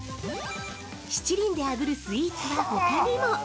◆七輪であぶるスイーツはほかにも。